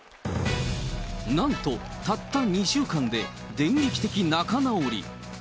なんとたった２週間で電撃的仲直り。